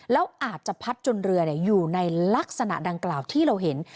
แล้วอาจจะพัดจนเรืออยู่ในลักษณะดังกล่าวที่เราเห็น